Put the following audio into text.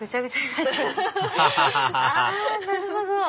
なるほど！